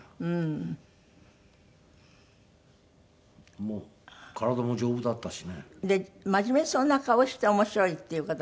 もう体も丈夫だったしね。で真面目そうな顔して面白いっていう方でしょ？